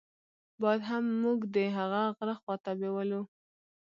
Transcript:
باد هم موږ د هغه غره خواته بېولو.